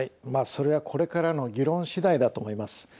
それはこれからの議論しだいだと思います。